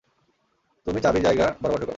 তুমি চাবি জায়গা বরাবর ঢুকাও।